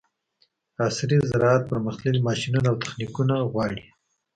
عصري زراعت پرمختللي ماشینونه او تخنیکونه غواړي.